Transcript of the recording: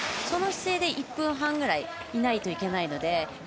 その姿勢で１分半ぐらいいないといけないので。